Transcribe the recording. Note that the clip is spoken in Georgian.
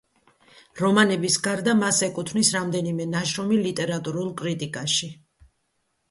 რომანების გარდა მას ეკუთვნის რამდენიმე ნაშრომი ლიტერატურულ კრიტიკაში.